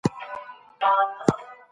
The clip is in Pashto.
موږ به سبا پدې اړه معلومات راټولوو.